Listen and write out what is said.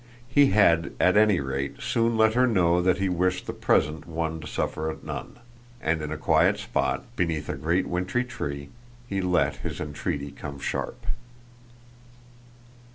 He had at any rate soon let her know that he wished the present one to suffer at none, and in a quiet spot, beneath a great wintry tree, he let his entreaty come sharp.